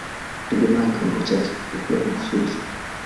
kutegemea na kiwango chake, upeo na kusudi.